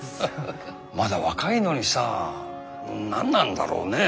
まだ若いのにさ何なんだろうねえ